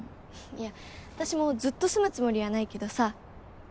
いや私もずっと住むつもりはないけどさ。